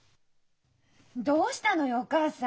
どうしたのよお母さん。